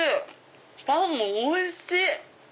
パンもおいしい！